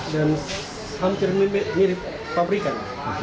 dan hampir mirip pabrikan